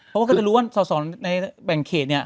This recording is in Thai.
เพราะว่าก็จะรู้ว่าส่อนในแบ่งเขตเนี่ย